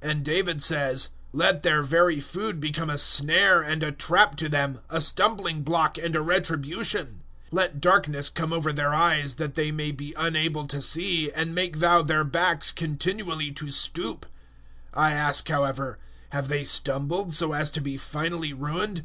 011:009 And David says, "Let their very food become a snare and a trap to them, a stumbling block and a retribution. 011:010 Let darkness come over their eyes that they may be unable to see, and make Thou their backs continually to stoop." 011:011 I ask, however, "Have they stumbled so as to be finally ruined?"